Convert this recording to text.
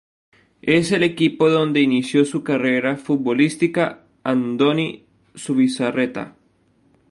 Es el equipo donde inició su carrera futbolística Andoni Zubizarreta.